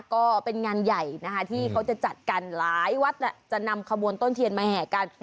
ก็เป็นงานใหญ่นะคะที่เขาจะจัดกันหลายวัดจะนำขบวนต้นเทียนมาแห่กัน